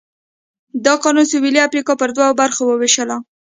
دا قانون سوېلي افریقا پر دوو برخو ووېشله.